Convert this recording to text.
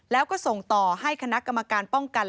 แล้วก็ส่งต่อให้คณะกรรมการป้องกัน